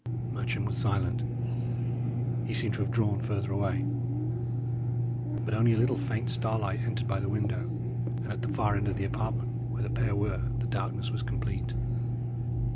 Matcham was silent. He seemed to have drawn further away. But only a little faint starlight entered by the window, and at the far end of the apartment, where the pair were, the darkness was complete.